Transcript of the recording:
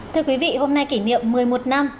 thưa quý vị hôm nay kỷ niệm một mươi một năm